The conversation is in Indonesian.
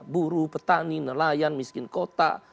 buruh petani nelayan miskin kota